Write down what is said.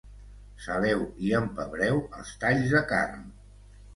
Saleu i empebreu els talls de carn